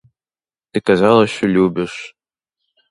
Ти казала, що любиш.